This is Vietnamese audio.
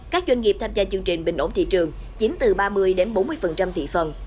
các doanh nghiệp tham gia chương trình bình ổn thị trường chiếm từ ba mươi đến bốn mươi thị phần